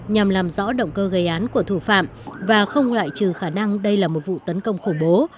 nhằm làm rõ động cơ gây án của thủ phạm và không loại trừ khả năng đây là một vụ tấn công khủng bố